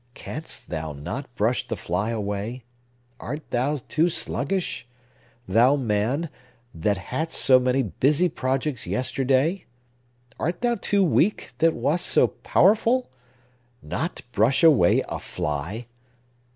Canst thou not brush the fly away? Art thou too sluggish? Thou man, that hadst so many busy projects yesterday! Art thou too weak, that wast so powerful? Not brush away a fly?